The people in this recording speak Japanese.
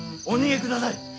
お逃げください。